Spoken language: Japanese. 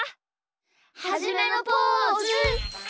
はじめのポーズ！